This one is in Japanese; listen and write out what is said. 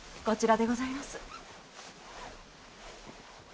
こちらでございます。